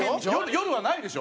夜はないでしょ？